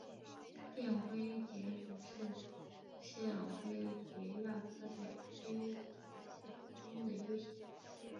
绽灰蝶属是线灰蝶亚科美灰蝶族中的一个属。